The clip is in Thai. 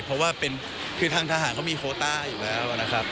เพราะว่าคือทางทหารเขามีโคต้าอยู่แล้วนะครับ